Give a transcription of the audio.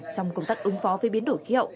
trong công tác ứng phó với biến đổi khí hậu